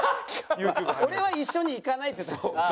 「俺は一緒に行かない」って言ったんですよ。